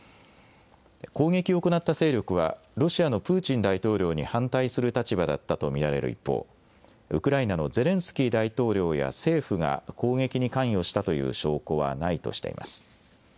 攻撃を行った勢力はロシアのプーチン大統領に反対する立場だったと見られる一方、ウクライナのゼレンスキー大統領や政府が攻撃に関与したという証拠はないとしています。